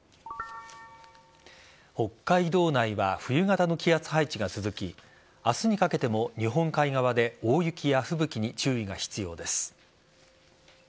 北海道内は冬型の気圧配置が続き明日にかけても日本海側で大雪や吹雪に注意が必要です。